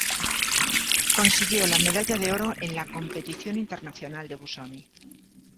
Consiguió la medalla de oro en la Competición Internacional de Busoni.